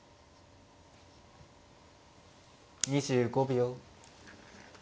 ２５秒。